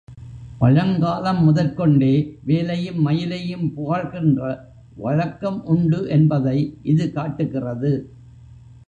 பழங் காலம் முதற்கொண்டே வேலையும், மயிலையும் புகழ்கின்ற வழக்கம் உண்டு என்பதை இது காட்டுகிறது.